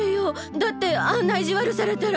だってあんな意地悪されたら。